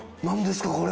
何ですか？